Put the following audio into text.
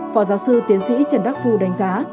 phó giáo sư tiến sĩ trần đắc phu đánh giá